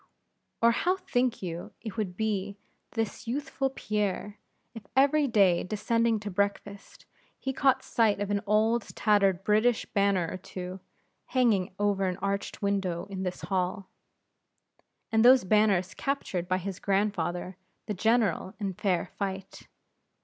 Or how think you it would be with this youthful Pierre, if every day descending to breakfast, he caught sight of an old tattered British banner or two, hanging over an arched window in his hall; and those banners captured by his grandfather, the general, in fair fight?